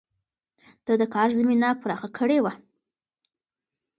ده د کار زمينه پراخه کړې وه.